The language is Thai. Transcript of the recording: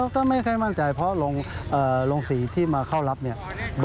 ก็ไม่ค่อยมั่นใจเพราะโรงศรีที่มาเข้ารับเนี่ย